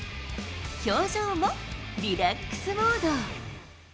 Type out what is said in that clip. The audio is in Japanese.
表情もリラックスモード。